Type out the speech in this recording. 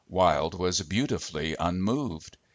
Wilde was beautifully unmoved.